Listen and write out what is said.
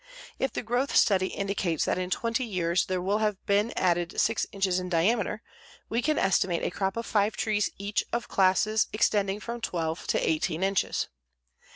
If the growth study indicates that in 20 years there will have been added 6 inches in diameter we can estimate a crop of five trees each of classes extending from 12 to 18 inches.